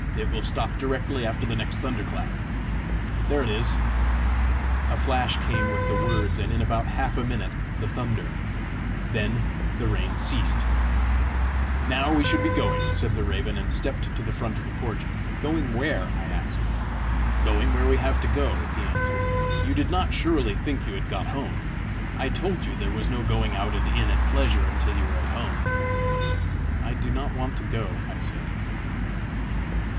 It will stop directly after the next thunder clap. There it is!" A flash came with the words, and in about half a minute the thunder. Then the rain ceased. "Now we should be going!" said the raven, and stepped to the front of the porch. "Going where?" I asked. "Going where we have to go," he answered. "You did not surely think you had got home? I told you there was no going out and in at pleasure until you were at home!" "I do not want to go," I said.